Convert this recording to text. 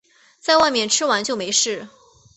在外面吃完就没事